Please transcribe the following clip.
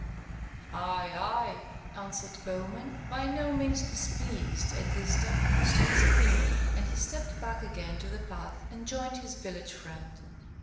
"Aye, aye," answered Bowman, by no means displeased at this deference to his opinion, and he stepped back again to the path, and joined his village friend.